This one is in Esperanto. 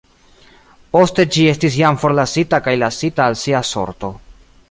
Poste ĝi estis jam forlasita kaj lasita al sia sorto.